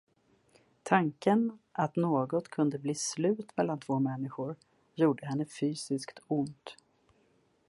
Tanken att något kunde bli slut mellan två människor gjorde henne fysiskt ont.